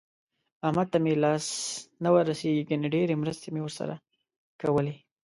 احمد ته مې لاس نه ورسېږي ګني ډېرې مرستې مې ورسره کولې.